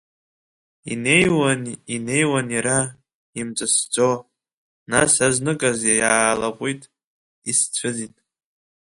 Инеиуан, инеиуан иара, имҵысӡо, нас азныказ иаалаҟәит, исцәыӡит.